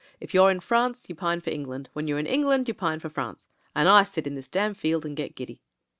If you're in France, you pine for England; when you're in England, you pine for France; and I sit in this damn field and get giddy."